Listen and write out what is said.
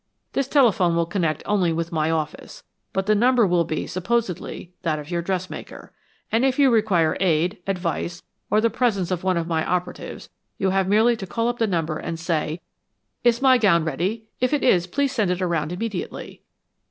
This telephone will connect only with my office, but the number will be, supposedly, that of your dressmaker, and if you require aid, advice, or the presence of one of my operatives, you have merely to call up the number and say: 'Is my gown ready? If it is, please send it around immediately.'